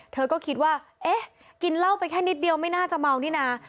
เธอก็คิดว่าเอ๊ะกินเหล้าไปแค่นิดเดียวไม่น่าจะเมานี่นะ